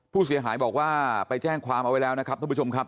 ผู้เสียหายบอกว่าไปแจ้งความเอาไว้แล้วนะครับท่านผู้ชมครับ